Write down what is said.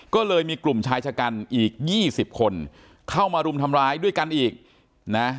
ก็เลยมีกลุ่มชายชะกันอีก๒๐คนเข้ามารุมทำร้ายด้วยกันอีกนะ